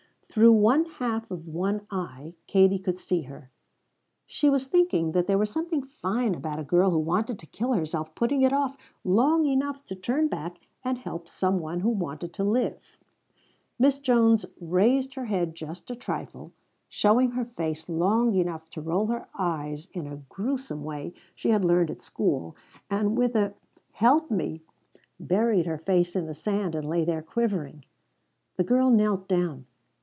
Through one half of one eye Katie could see her; she was thinking that there was something fine about a girl who wanted to kill herself putting it off long enough to turn back and help some one who wanted to live. Miss Jones raised her head just a trifle, showed her face long enough to roll her eyes in a grewsome way she had learned at school, and with a "Help me!" buried her face in the sand and lay there quivering. The girl knelt down.